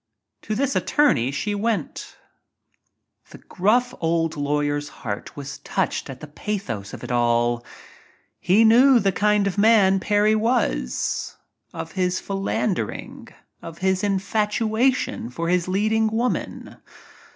To this attorney she went. * it ■ 46 THE "GOLD DIGGER" The gruff, old lawer's heart was touched at the pathos of it all. He knew the kind of a man Parry was — of his philandering, of his infatuation for his leading woman.